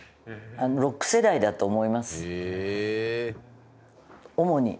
ロック世代だと思います。